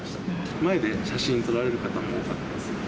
前で写真を撮られる方も多かったです。